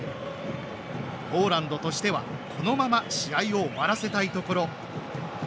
ポーランドとしては、このまま試合を終わらせたいところ。